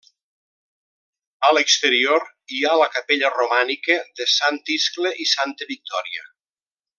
A l'exterior hi ha la capella, romànica, de Sant Iscle i Santa Victòria.